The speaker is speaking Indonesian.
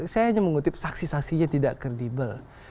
saya hanya mengutip saksi saksinya tidak kredibel